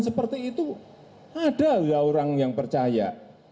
seperti itu ada nggak orang yang percaya